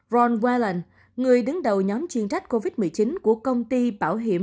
ron warland người đứng đầu nhóm chuyên trách covid một mươi chín của công ty bảo hiểm